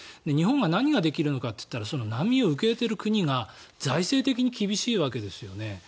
日本が何ができるのかというと難民を受け入れている国が財政的に厳しいわけですよね。